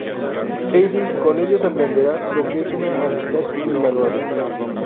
Heidi con ellos, aprenderá lo que es una amistad invaluable.